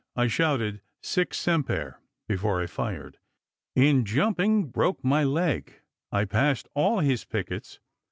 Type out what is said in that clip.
I shouted Sic Semper before I fired. In jumping broke my leg. I passed all his pickets.